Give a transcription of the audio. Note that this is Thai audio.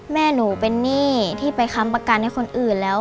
แม่หนูเป็นหนี้ที่ไปค้ำประกันให้คนอื่นแล้ว